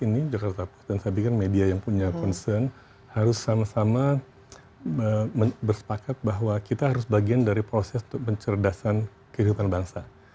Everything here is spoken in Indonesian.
dua ribu sembilan belas ini jakarta post dan saya pikir media yang punya concern harus sama sama bersepakat bahwa kita harus bagian dari proses pencerdasan kehidupan bangsa